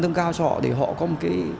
nâng cao cho họ để họ có một cái